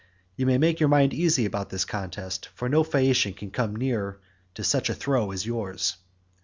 You may make your mind easy about this contest, for no Phaeacian can come near to such a throw as yours."